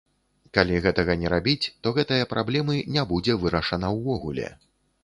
Калі гэтага не рабіць, то гэтая праблемы не будзе вырашана ўвогуле.